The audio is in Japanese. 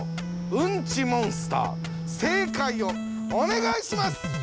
うんちモンスター正解をおねがいします。